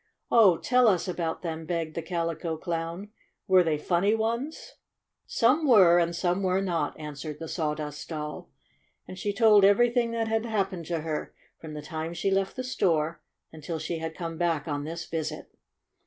"Oh, tell us about them!" begged £he Calico Clown. ' 6 W ere they funny ones ?' y "Some were, and some were not," an swered the Sawdust Doll, and she told everything that had happened to her from the time she left the store until she had come back on this visit.